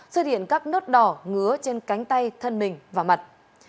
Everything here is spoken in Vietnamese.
xuất hiện các nốt đỏ ngứa trên cánh tay thân mình và mặt